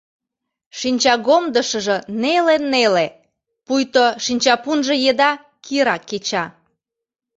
Шинчагомдышыжо неле-неле, пуйто, шинчапунжо еда кира кеча.